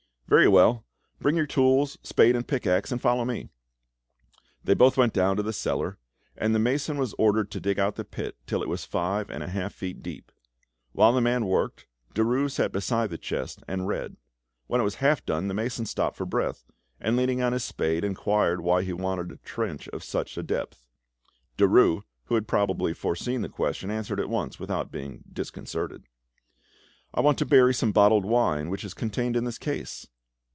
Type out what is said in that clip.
"Very well! Bring your tools, spade, and pickaxe, and follow me." They both went down to the cellar, and the mason was ordered to dig out the pit till it was five and a half feet deep. While the man worked, Derues sat beside the chest and read. When it was half done, the mason stopped for breath, and leaning on his spade, inquired why he wanted a trench of such a depth. Derues, who had probably foreseen the question, answered at once, without being disconcerted— "I want to bury some bottled wine which is contained in this case."